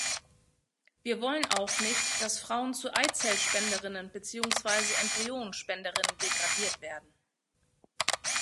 Wir wollen auch nicht, dass Frauen zu Eizellspenderinnen beziehungsweise Embryonenspenderinnen degradiert werden.